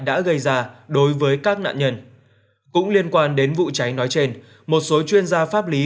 đã gây ra đối với các nạn nhân cũng liên quan đến vụ cháy nói trên một số chuyên gia pháp lý